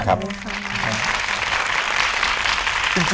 ขอบคุณครับ